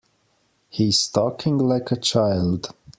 He's talking like a child.